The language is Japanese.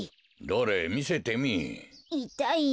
どれみせてみい。